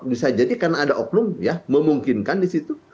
bisa jadi karena ada oknum ya memungkinkan di situ